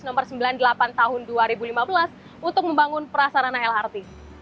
nomor sembilan puluh delapan tahun dua ribu lima belas untuk membangun prasarana lrt